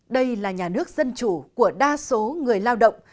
đây là nhà nước dân chủ của đa số người lao động